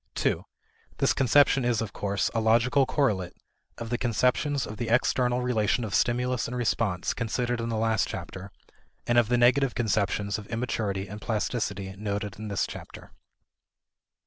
2 This conception is, of course, a logical correlate of the conceptions of the external relation of stimulus and response, considered in the last chapter, and of the negative conceptions of immaturity and plasticity noted in this chapter.